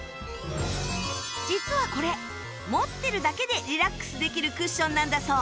実はこれ持ってるだけでリラックスできるクッションなんだそう